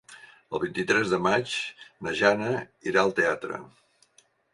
El vint-i-tres de maig na Jana irà al teatre.